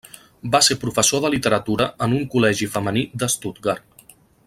Va ser professor de literatura en un col·legi femení de Stuttgart.